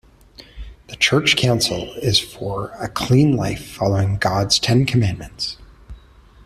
The church counsel is for a clean life following God's Ten Commandments.